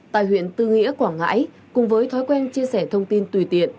tại huyện tư nghĩa quảng ngãi cùng với thói quen chia sẻ thông tin tùy tiện